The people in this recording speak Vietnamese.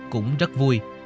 cũng rất vui